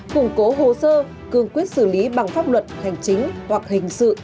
củng cố hồ sơ cương quyết xử lý bằng pháp luật hành chính hoặc hình sự